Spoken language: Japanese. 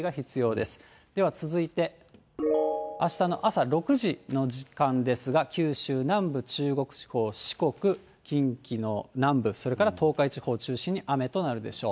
では続いて、あしたの朝６時の時間ですが、九州南部、中国地方、四国、近畿の南部、それから東海地方を中心に雨となるでしょう。